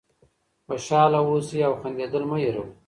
خوشحاله اوسئ او خندېدل مه هېروئ.